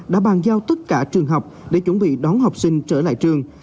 đã bàn giao tất cả trường học để chuẩn bị đón học sinh trở lại trường